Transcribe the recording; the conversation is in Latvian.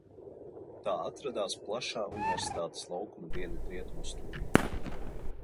Tā atradās plašā Universitātes laukuma dienvidrietumu stūrī.